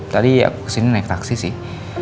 tadi ya kesini naik taksi sih